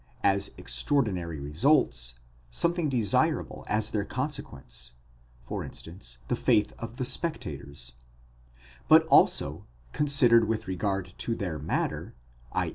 as extraordinary results, something desirable as their consequence, for instance, the faith of the spectators ; but also, considered with regard to their matter, i.